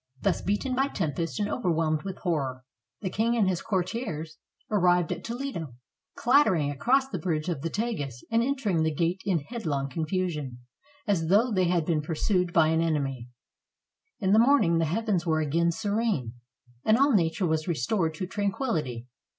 Thus beaten by tempest and overwhelmed with horror, the king and his courtiers arrived at Toledo, clattering across the bridge of the Tagus and entering the gate in headlong confusion, as though they had been pur sued by an enemy. In the morning the heavens were again serene, and all nature was restored to tranquillity.